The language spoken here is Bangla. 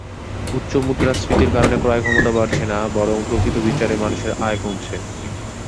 উচ্চ মুদ্রাস্ফীতির কারণে ক্রয়ক্ষমতা বাড়ছে না বরং প্রকৃত বিচারে মানুষের আয় কমছে।